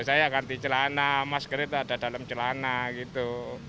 saya ganti celana masker itu ada dalam celana gitu